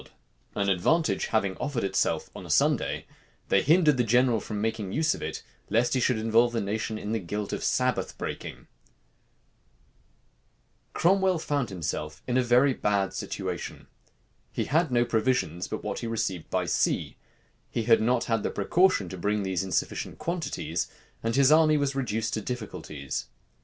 Sir Edw. Walker p. 168. Whitlocke, p. 449. An advantage having offered itself on a Sunday, they hindered the general from making use of it, lest he should involve the nation in the guilt of Sabbath breaking. Cromwell found himself in a very bad situation. He had no provisions but what he received by sea. He had not had the precaution to bring these in sufficient quantities; and his army was reduced to difficulties.